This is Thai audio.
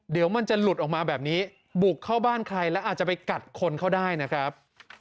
เดี๋ยวมันจะหลุดออกมาแบบนี้บุกเข้าบ้านใครแล้วอาจจะไปกัดคนเขาได้นะครับ